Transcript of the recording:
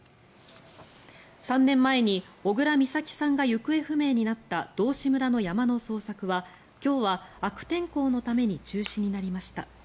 ３年前に小倉美咲さんが行方不明になった道志村の山の捜索は今日は悪天候のために中止になりました。